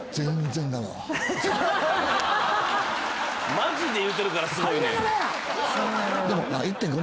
マジで言うてるからすごいねん。